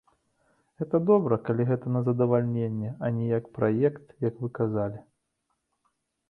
Гэта добра, калі гэта на задавальненне, а не як праект, як вы сказалі.